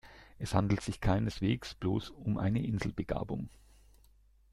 Es handelt sich keineswegs bloß um eine Inselbegabung.